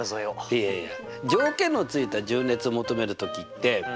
いやいや。